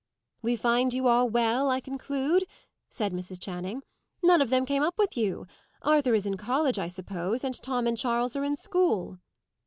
"We find you all well, I conclude!" said Mrs. Channing. "None of them came up with you! Arthur is in college, I suppose, and Tom and Charles are in school."